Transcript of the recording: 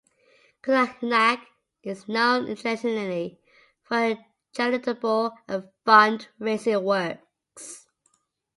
Kuroyanagi is known internationally for her charitable and fund raising works.